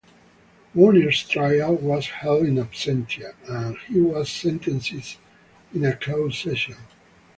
Mounir's trial was held in absentia, and he was sentenced in a closed session.